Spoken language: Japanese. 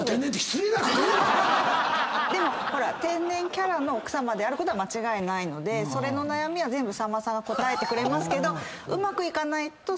でも天然キャラの奥さまであることは間違いないのでそれの悩みは全部さんまさんが答えてくれますけど。